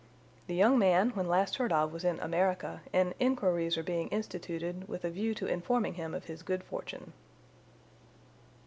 The young man when last heard of was in America, and inquiries are being instituted with a view to informing him of his good fortune."